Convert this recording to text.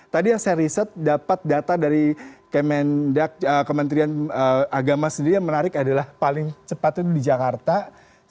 tadi yang saya riset dapat data dari kemendak kementerian agama sendiri yang menarik adalah paling cepat itu di jakarta